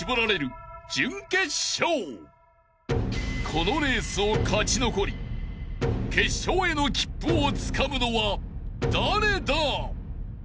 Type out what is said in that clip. ［このレースを勝ち残り決勝への切符をつかむのは誰だ！？］